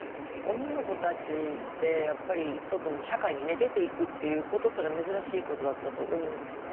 女の子たちってやっぱり外の社会に出ていくっていうことすら珍しいことだったと思うんですよね。